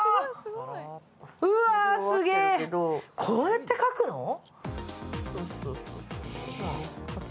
こうやって描くの？